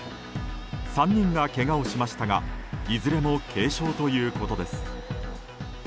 ３人がけがをしましたがいずれも軽傷ということです。